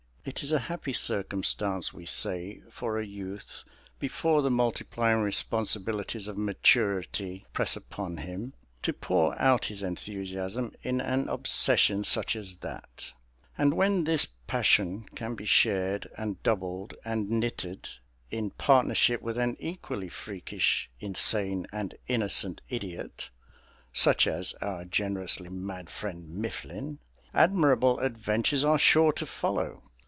It is a happy circumstance, we say, for a youth, before the multiplying responsibilities of maturity press upon him, to pour out his enthusiasm in an obsession such as that; and when this passion can be shared and doubled and knitted in partnership with an equally freakish, insane, and innocent idiot (such as our generously mad friend Mifflin) admirable adventures are sure to follow.